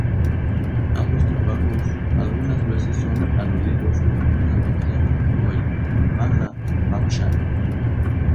Ambos trabajos, algunas veces son aludidos conjuntamente como el "Maja-vamsha".